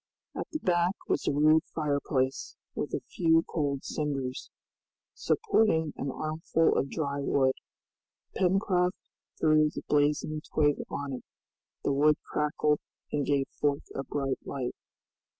At the back was a rude fireplace, with a few cold cinders, supporting an armful of dry wood. Pencroft threw the blazing twig on it, the wood crackled and gave forth a bright light.